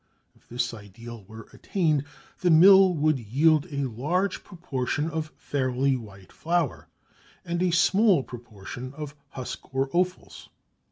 If this ideal were attained, the mill would yield a large proportion of fairly white flour, and a small proportion of husk or offals.